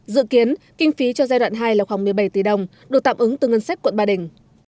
dự kiến kinh phí cho giai đoạn hai là khoảng một mươi bảy tỷ đồng được tạm ứng từ ngân sách quận ba đình